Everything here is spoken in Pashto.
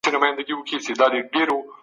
بازار ته باید نوي عرضه وړاندي سي.